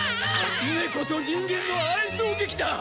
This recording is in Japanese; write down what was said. ネコと人間の愛憎劇だ。